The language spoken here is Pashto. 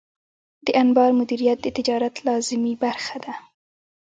د انبار مدیریت د تجارت لازمي برخه ده.